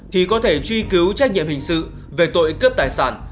thì có thể truy cứu trách nhiệm hình sự về tội cướp tài sản